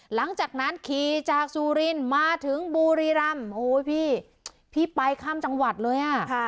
หลังจากนั้นขี่จากสุรินมาถึงบุรีรำโอ้ยพี่พี่ไปข้ามจังหวัดเลยอ่ะ